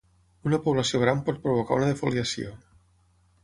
Una població gran pot provocar una defoliació.